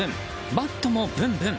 バットもブンブン！